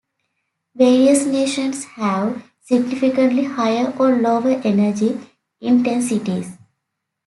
Various nations have significantly higher or lower energy intensities.